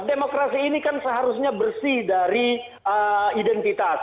demokrasi ini kan seharusnya bersih dari identitas